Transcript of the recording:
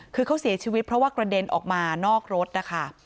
คือเขาเสียชีวิตเพราะว่ากระเด็นออกมานอกรถนะคะ